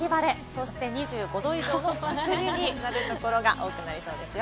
そして２５度以上の真夏日になるところが多くなりそうですよ。